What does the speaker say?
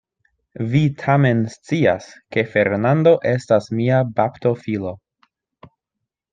Vi tamen scias, ke Fernando estas mia baptofilo.